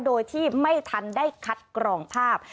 โดยที่ไม่ทันได้คัดกรองภาพ